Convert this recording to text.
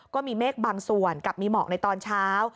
ก็มีเมฆบางส่วนกับมีหมอกในตอนเช้า